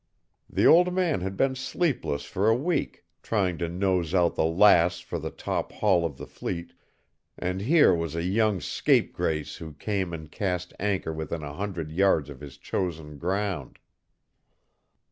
The old man had been sleepless for a week, trying to nose out the Lass for the top haul of the fleet, and here was a young scapegrace who came and cast anchor within a hundred yards of his chosen ground.